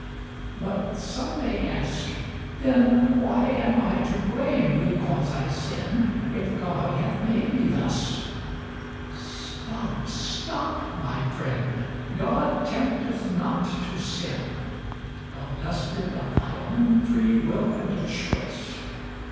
But some may ask, "then why am I to blame Because I sin, if God hath made me thus?" Stop, stop, my friend, God tempteth not to sin, Thou dost it of thy own free will and choice.